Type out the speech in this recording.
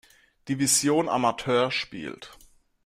Division Amateur spielt.